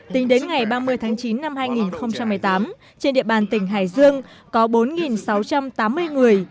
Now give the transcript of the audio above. tính đến ngày ba mươi tháng chín năm hai nghìn một mươi tám trên địa bàn tỉnh hải dương có bốn sáu trăm tám mươi người